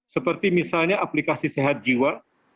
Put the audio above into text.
seperti misalnya aplikasi sehat jiwa